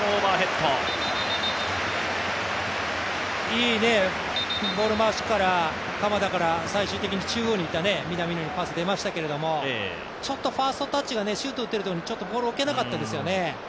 いいボール回しから鎌田から最終的に中央にいた南野にパスが出ましたけど、ファーストタッチがシュートを打っているところにボールを受けられなかったですよね。